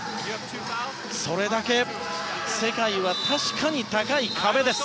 それだけ世界は確かに高い壁です。